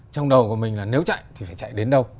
trong đầu của mình là nếu chạy thì phải chạy đến đâu